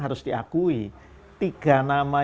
harus diakui tiga nama